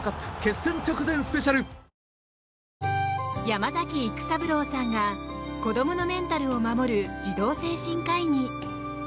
山崎育三郎さんが子どものメンタルを守る児童精神科医に！